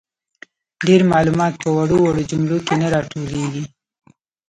ډیر معلومات په وړو وړو جملو کي نه راټولیږي.